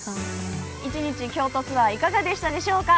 一日京都ツアーいかがでしたでしょうか？